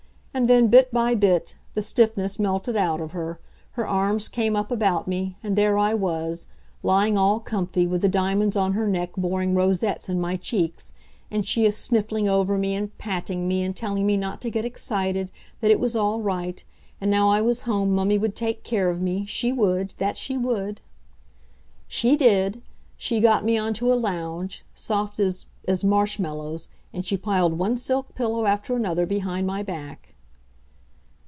And then, bit by bit, the stiffness melted out of her, her arms came up about me, and there I was, lying all comfy, with the diamonds on her neck boring rosettes in my cheeks, and she a sniffling over me and patting me and telling me not to get excited, that it was all right, and now I was home mummy would take care of me, she would, that she would. She did. She got me on to a lounge, soft as as marshmallows, and she piled one silk pillow after another behind my back.